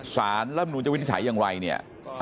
สารและบรรณุนจะวิจัยอย่างไร